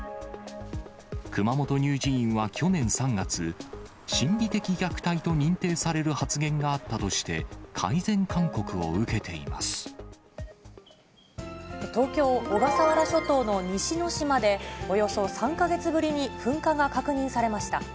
熊本乳児院は去年３月、心理的虐待と認定される発言があったとして、改善勧告を受けてい東京・小笠原諸島の西之島で、およそ３か月ぶりに噴火が確認されました。